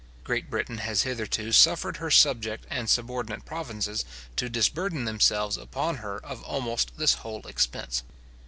Great Britain has hitherto suffered her subject and subordinate provinces to disburden themselves upon her of almost this whole expense.